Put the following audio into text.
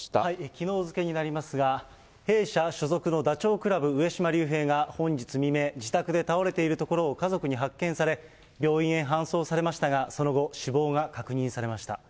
きのう付けになりますが、弊社所属のダチョウ倶楽部・上島竜兵が本日未明、自宅で倒れているところを家族に発見され、病院へ搬送されましたが、その後、死亡が確認されました。